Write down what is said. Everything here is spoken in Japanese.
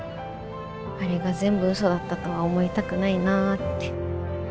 あれが全部嘘だったとは思いたくないなぁって。